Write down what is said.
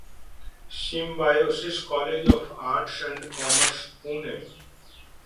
symbiosis college of arts and commerce, Pune